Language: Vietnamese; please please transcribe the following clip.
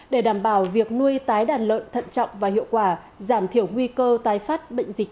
để đảm bảo việc nuôi tái đàn lợn thận trọng và hiệu quả giảm thiểu nguy cơ tái phát bệnh dịch